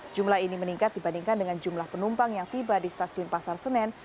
jumlah ini meningkat dibandingkan dengan jumlah penumpang yang tiba di stasiun pasar senen